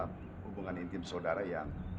hubungan intim sudara yang